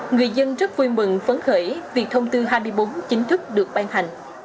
người dân rất vui mừng phấn khởi việc thông tư hai mươi bốn chính thức được ban hành